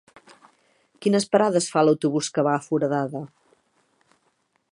Quines parades fa l'autobús que va a Foradada?